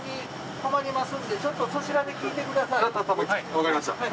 わかりました。